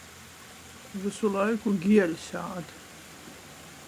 Vysu laiku gieļs ād.